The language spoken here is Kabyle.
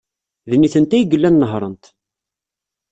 D nitenti ay yellan nehhṛent.